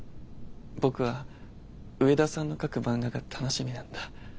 僕は上田さんの描く漫画が楽しみなんだ。